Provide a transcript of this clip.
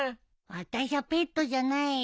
あたしゃペットじゃないよ。